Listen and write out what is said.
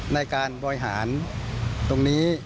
ในการบ่อยหาญตรงนี้